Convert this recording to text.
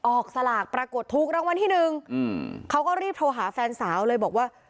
ออกสลากปรากฏถูกรางวัลที่๑เขาก็รีบโทรหาแฟนสาวเลยบอกว่า